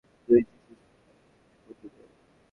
Police জানায়, নয়াপাড়ার বাসা থেকে দুই শিশু সকালে মসজিদে পড়তে যায়।